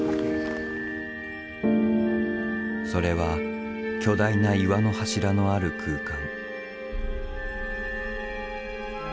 それは巨大な岩の柱のある空間。